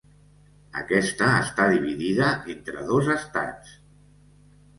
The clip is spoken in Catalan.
Aquesta està dividida entre dos estats: